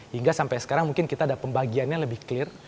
hingga sampai sekarang mungkin kita ada pembagiannya lebih clear